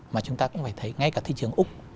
mà chúng ta cũng phải thấy ngay cả thị trường úc